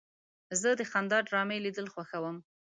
زه د خندا ډرامې لیدل خوښوم.